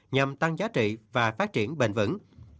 nhằm tăng giá trị và phát triển bền vững